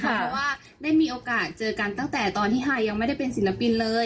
เพราะว่าได้มีโอกาสเจอกันตั้งแต่ตอนที่ฮายยังไม่ได้เป็นศิลปินเลย